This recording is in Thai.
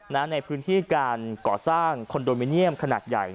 ในพื้นที่การก่อสร้างคอนโดมิเนียมขนาดใหญ่